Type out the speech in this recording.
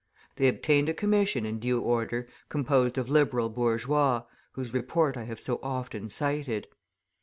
They obtained a commission, in due order, composed of Liberal bourgeois, whose report I have so often cited.